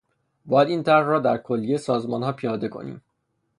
باید این طرح را در کلیهٔ سازمانها پیاده کنیم.